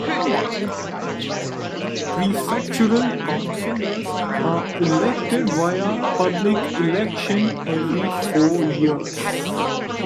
Prefectural councillors are elected via public election every four years.